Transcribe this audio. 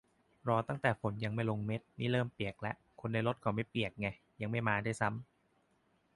รอตั้งแต่ฝนยังไม่ลงเม็ด นี่เริ่มเปียกละ คนในรถเขาไม่เปียกไง ยังไม่มาด้วยซ้ำ